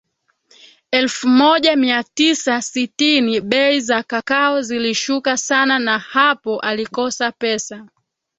elfu moja mia tisa sitini bei za kakao zilishuka sana na hapo alikosa pesa